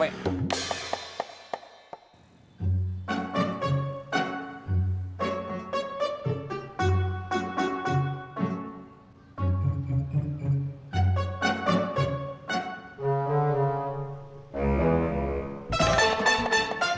pergi ke jam rat